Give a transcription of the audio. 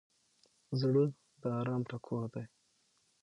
زړه د ارام ټکور دی.